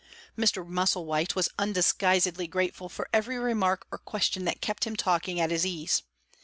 Mr. Musselwhite was undisguisedly grateful for every remark or question that kept him talking at his ease.